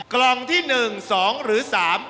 กล่องที่หนึ่งสองหรือสาม